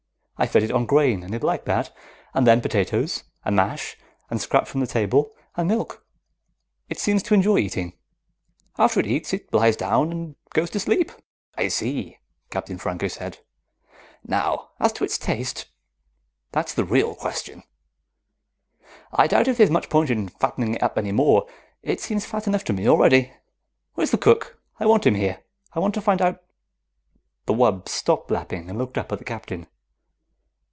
I fed it on grain and it liked that. And then potatoes, and mash, and scraps from the table, and milk. It seems to enjoy eating. After it eats it lies down and goes to sleep." "I see," Captain Franco said. "Now, as to its taste. That's the real question. I doubt if there's much point in fattening it up any more. It seems fat enough to me already. Where's the cook? I want him here. I want to find out " The wub stopped lapping and looked up at the Captain.